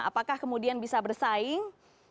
apakah kemudian bisa bersaing